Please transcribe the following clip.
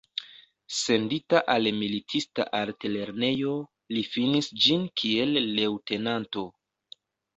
Sendita al militista altlernejo, li finis ĝin kiel leŭtenanto.